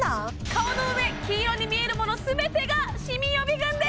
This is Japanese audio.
顔の上黄色に見えるもの全てがシミ予備軍です！